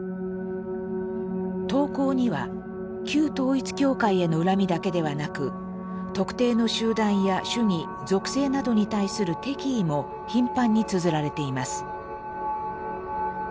投稿には旧統一教会への恨みだけではなく特定の集団や主義属性などに対する敵意も頻繁につづられています。